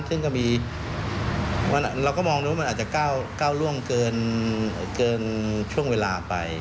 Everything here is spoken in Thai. ซึ่งก็มีเราก็มองดูว่ามันอาจจะก้าวล่วงเกินช่วงเวลาไป